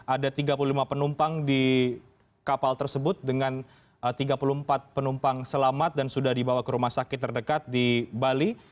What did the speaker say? ada tiga puluh lima penumpang di kapal tersebut dengan tiga puluh empat penumpang selamat dan sudah dibawa ke rumah sakit terdekat di bali